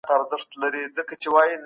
سیاست ولې د ټولنې لپاره ترسره کیږي؟